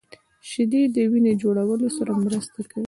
شیدې د وینې جوړولو سره مرسته کوي